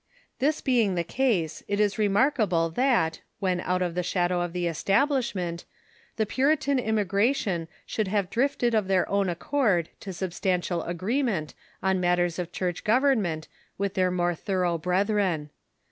* This being the case, it is remarkable that, when out of the shadow of the Establishment, the Puritan immigra tion should have drifted of their own accord to substantial agreement on matters of Church government Avith their more thorough brethren.